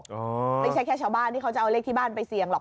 ไม่ใช่แค่ชาวบ้านที่เขาจะเอาเลขที่บ้านไปเสี่ยงหรอก